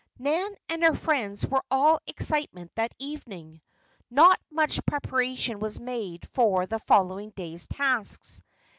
Nan and her friends were all excitement that evening. Not much preparation was made for the following day's tasks.